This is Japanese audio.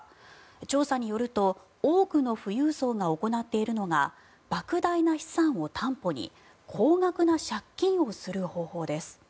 調査によると多くの富裕層が行っているのがばく大な資産を担保に高額な借金をする方法です。